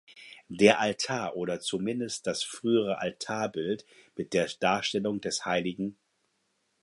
Der Altar oder zumindest das frühere Altarbild mit der Darstellung des hl.